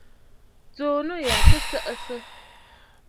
Tsùu nû ya kɨ tsəʼəsə!